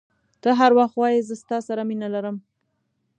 ته هر وخت وایي زه ستا سره مینه لرم.